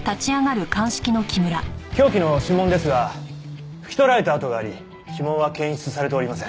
凶器の指紋ですが拭き取られた跡があり指紋は検出されておりません。